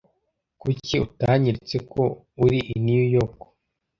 Kuki utanyeretse ko uri i New York?